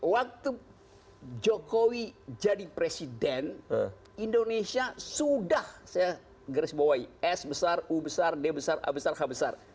waktu jokowi jadi presiden indonesia sudah saya garis bawahi s besar u besar d besar a besar k besar